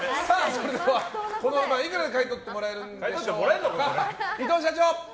それでは、この不満いくらで買い取ってもらえるんでしょうか。